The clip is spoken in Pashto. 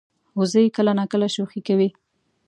وزې کله ناکله شوخي کوي